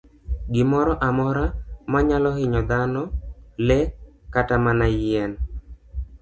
Gimoro amora manyalo hinyo dhano, le, kata mana yien.